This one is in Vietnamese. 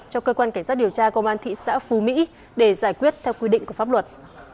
cho cơ quan cảnh sát điều tra công an thị xã phú mỹ để giải quyết theo quy định của pháp luật